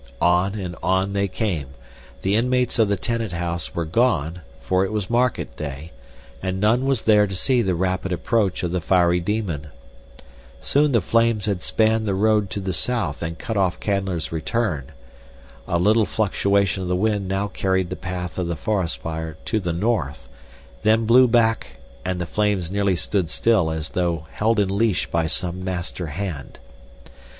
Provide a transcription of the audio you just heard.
On and on they came. The inmates of the tenant house were gone, for it was market day, and none was there to see the rapid approach of the fiery demon. Soon the flames had spanned the road to the south and cut off Canler's return. A little fluctuation of the wind now carried the path of the forest fire to the north, then blew back and the flames nearly stood still as though held in leash by some master hand.